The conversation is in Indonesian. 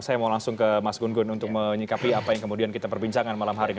saya mau langsung ke mas gun gun untuk menyikapi apa yang kemudian kita perbincangkan malam hari ini